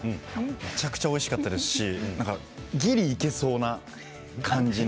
めちゃくちゃおいしかったですしぎりいけそうな感じの。